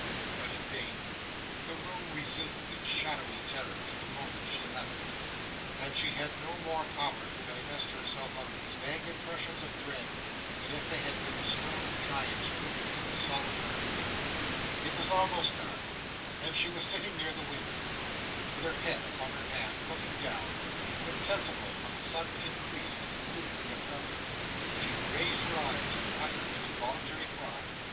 But in vain. The room resumed its shadowy terrors, the moment she left it; and she had no more power to divest herself of these vague impressions of dread, than if they had been stone giants, rooted in the solid earth. It was almost dark, and she was sitting near the window, with her head upon her hand, looking down, when, sensible of a sudden increase in the gloom of the apartment, she raised her eyes, and uttered an involuntary cry.